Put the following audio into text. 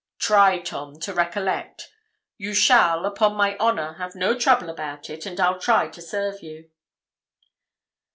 Try, Tom, to recollect; you shall, upon my honour, have no trouble about it, and I'll try to serve you.'